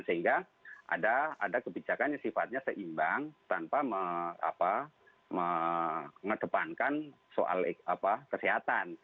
sehingga ada kebijakan yang sifatnya seimbang tanpa mengedepankan soal kesehatan